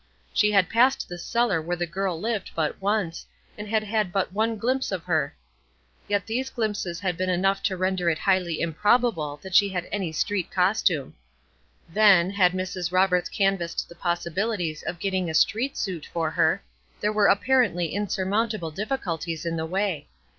She had passed the cellar where the girl lived but once, and had had but one glimpse of her; yet these glimpses had been enough to render it highly improbable that she had any street costume. Then, had Mrs. Roberts canvassed the possibilities of getting a street suit for her, there were apparently insurmountable difficulties in the way.